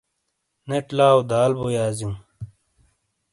نیٹ لاؤ دال بو یازیو ۔